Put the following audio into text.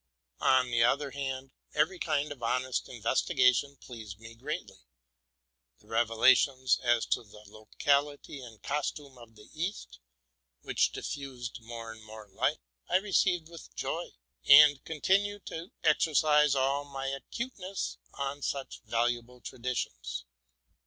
On the other hand, every kind of honest investiga tion pleased me greatly: the revelations as to the locality and costume of the East, which diffused more and more light, I received with joy, and continued to exercise all my acute ness on such valuable traditions.